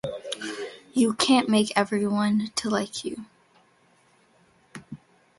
You can't make everyone to like you.